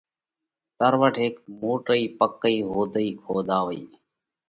تروٺ هيڪ موٽئي پاڪئِي هوڌئِي کۮاوئِي۔